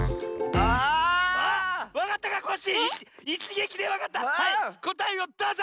はいこたえをどうぞ！